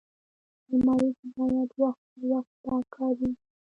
الماري ته باید وخت پر وخت پاک کاری وشي